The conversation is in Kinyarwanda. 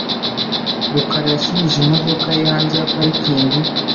rukara yasubije imodoka ye hanze ya parikingi .